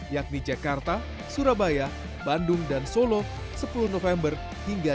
yakni jakarta surabaya bandung dan solo sepuluh november hingga dua ribu dua puluh